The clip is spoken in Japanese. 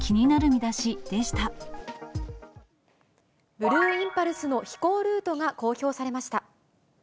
ブルーインパルスの飛行ルートが公表されました。